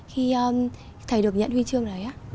khi thầy được nhận huy chương đấy ạ